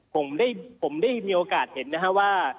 ผมได้มีโอกาสเห็นว่า